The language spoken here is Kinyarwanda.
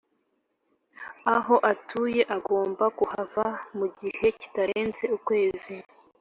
Aho atuye agomba kuhava mu gihe kitarenze ukwezi